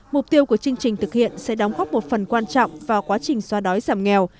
mục tiêu của chương trình thực hiện sẽ đóng góp một phần quan trọng vào quá trình xoa đói giảm nghèo